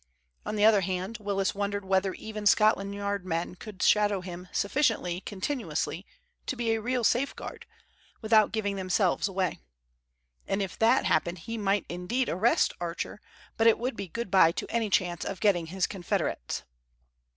On the other hand Willis wondered whether even Scotland Yard men could shadow him sufficiently continuously to be a real safeguard, without giving themselves away. And if that happened he might indeed arrest Archer, but it would be good bye to any chance of getting his confederates.